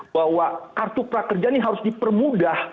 bahwa kartu prakerja ini harus dipermudah